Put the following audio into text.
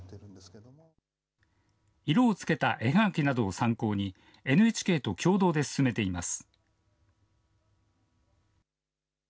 色をつけた絵はがきなどを参考に、ＮＨＫと共同で進めています。